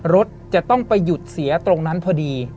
รถจะต้องไปหยุดเสียตรงนั้นพอดี